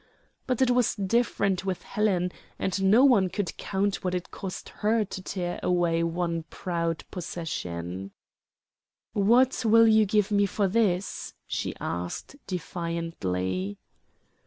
But it was different with Helen, and no one could count what it cost her to tear away her one proud possession. "What will you give me for this?" she asked defiantly.